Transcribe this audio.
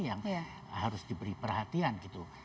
yang harus diberi perhatian gitu